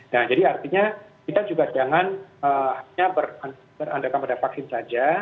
nah jadi artinya kita juga jangan hanya berandaikan pada vaksin saja